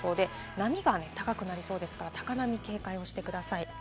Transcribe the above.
波が高くなりそうですから、高波に警戒してください。